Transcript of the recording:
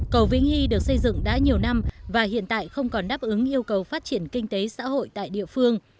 cầu vĩnh nghi được xây dựng đã nhiều năm và hiện tại không còn đáp ứng yêu cầu phát triển kinh tế xã hội tại địa phương